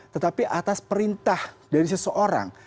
tetapi atas perintah dari seseorang